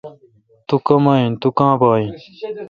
تو کما این۔۔تو کاں با این؟